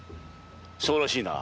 そうらしいな。